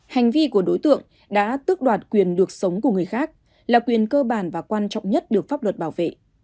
hành vi của đối tượng đã tước đoạt quyền được sống của người khác là quyền cơ bản và quan trọng nhất được pháp luật bảo vệ